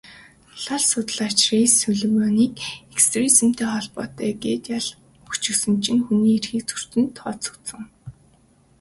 Лал судлаач Райс Сулеймановыг экстремизмтэй холбоотой гээд ял өгчихсөн чинь хүний эрхийг зөрчсөнд тооцогдсон.